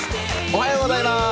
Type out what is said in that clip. おはようございます。